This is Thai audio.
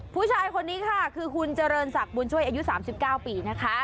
ผู้ชายคนนี้ค่ะคือคุณเจริญศักดิ์บุญช่วยอายุ๓๙ปีนะคะ